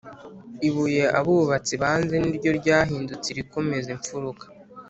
Ibuye abubaatsi banze, niryo ryahindutse irikomeza impfuruka